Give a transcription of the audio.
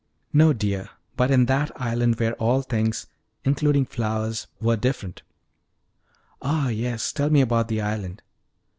"No, dear, but in that island where all things, including flowers, were different." "Ah, yes; tell me about the island."